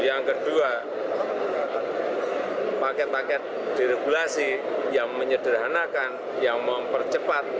yang kedua paket paket diregulasi yang menyederhanakan yang mempercepat